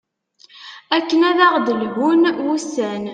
akken ad aɣ-d-lhun wussan